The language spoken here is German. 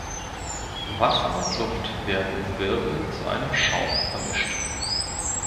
Wasser und Luft werden im Wirbel zu einem Schaum vermischt.